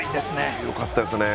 強かったですね。